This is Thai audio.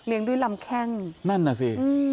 เลี้ยงด้วยลำแข้งนั่นอ่ะสิ